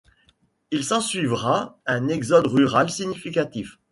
Il s’ensuivra un exode rural significatif.